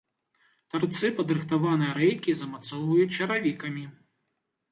Тарцы падрыхтаванай рэйкі замацоўваюць чаравікамі.